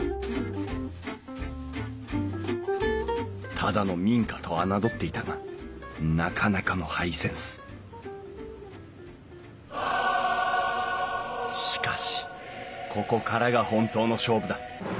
ただの民家と侮っていたがなかなかのハイセンスしかしここからが本当の勝負だ！